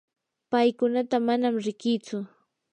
paykunata manam riqitsu.